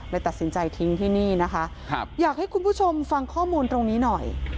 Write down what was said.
ตัดสินใจทิ้งที่นี่นะคะครับอยากให้คุณผู้ชมฟังข้อมูลตรงนี้หน่อย